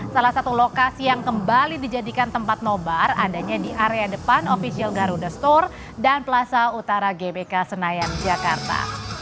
salah satu lokasi yang kembali dijadikan tempat nobar adanya di area depan official garuda store dan plaza utara gbk senayan jakarta